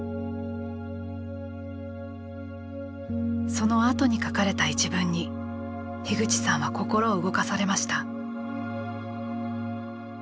そのあとに書かれた一文に口さんは心を動かされました。